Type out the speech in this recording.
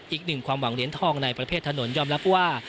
อีกหนึ่งความหวังเหรียญทองในประเภทถนนยอมรับว่า